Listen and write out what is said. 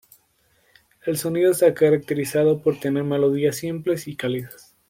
El sonido está caracterizado por tener melodías simples y cálidas.